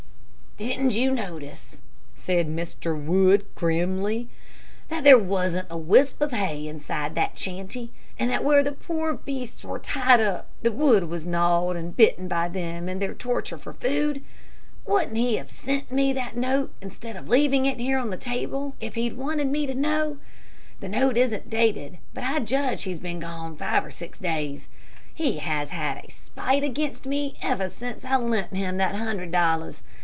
"Didn't you notice," said Mr. Wood, grimly, "that there wasn't a wisp of hay inside that shanty, and that where the poor beasts were tied up the wood was knawed and bitten by them in their torture for food? Wouldn't he have sent me that note, instead of leaving it here on the table, if he'd wanted me to know? The note isn't dated, but I judge he's been gone five or six days. He has had a spite against me ever since I lent him that hundred dollars.